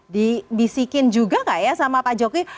dibisikin juga gak ya sama pak jokowi